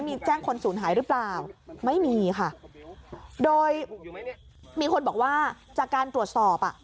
มีแจ้งคนศูนย์หายหรือเปล่าไม่มีค่ะโดยมีคนบอกว่าจากการตรวจสอบอ่ะ